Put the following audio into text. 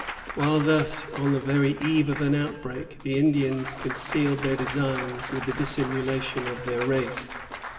While thus on the very eve of an outbreak, the Indians concealed their designs with the dissimulation of their race.